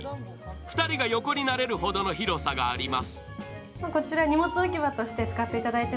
２人が横になれるほどの広さがあります。